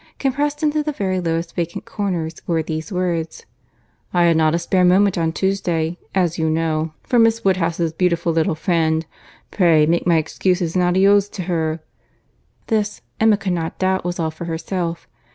Compressed into the very lowest vacant corner were these words—"I had not a spare moment on Tuesday, as you know, for Miss Woodhouse's beautiful little friend. Pray make my excuses and adieus to her." This, Emma could not doubt, was all for herself.